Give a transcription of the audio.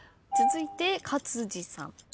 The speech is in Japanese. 続いて勝地さん。